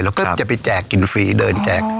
แล้วก็จะไปแจกกินฟรีเดินแจก